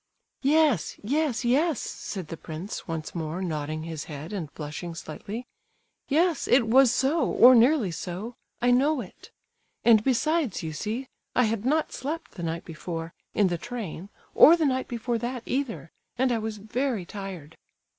"Yes, yes, yes!" said the prince, once more, nodding his head, and blushing slightly. "Yes, it was so, or nearly so—I know it. And besides, you see, I had not slept the night before, in the train, or the night before that, either, and I was very tired."